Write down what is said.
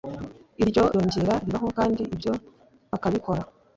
iryo yongera ribaho kandi ibyo akabikora